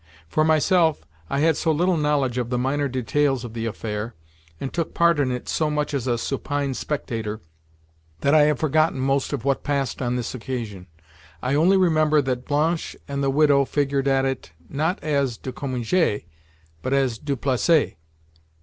For myself, I had so little knowledge of the minor details of the affair, and took part in it so much as a supine spectator, that I have forgotten most of what passed on this occasion. I only remember that Blanche and the Widow figured at it, not as "de Cominges," but as "du Placet."